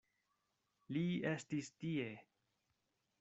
Li estis tie!